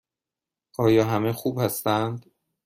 آیا همه خوب هستند؟